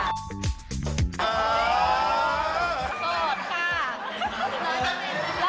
สดค่ะ